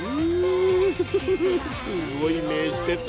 すごい目してた。